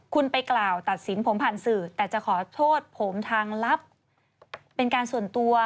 คุณไปกล่าวตัดสินผมผ่านสื่อแต่จะขอโทษผมทางลับเป็นการส่วนตัว